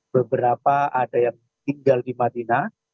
beberapa ada yang tinggal di madinah